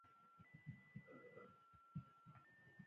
• بخښل د قوي خلکو ځانګړنه ده.